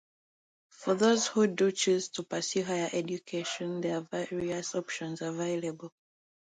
For those who do choose to pursue higher education, there are various options available.